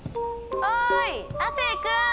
おい亜生君！